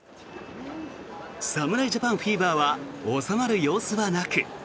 侍ジャパンフィーバーは収まる様子はなく。